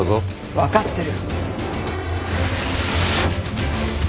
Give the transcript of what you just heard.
分かってる。